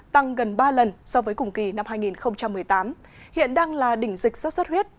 tăng gần ba lần so với cùng kỳ năm hai nghìn một mươi tám hiện đang là đỉnh dịch sốt xuất huyết